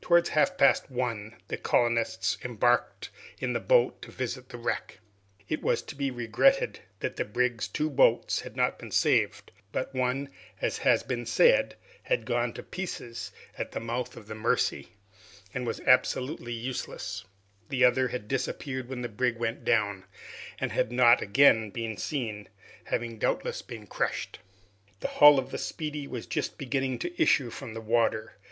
Towards half past one, the colonists embarked in the boat to visit the wreck. It was to be regretted that the brig's two boats had not been saved; but one, as has been said, had gone to pieces at the mouth of the Mercy, and was absolutely useless; the other had disappeared when the brig went down, and had not again been seen, having doubtless been crushed. The hull of the "Speedy" was just beginning to issue from the water.